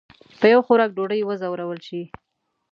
په یو خوراک ډوډۍ وځورول شي.